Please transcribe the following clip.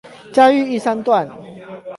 嘉義玉山段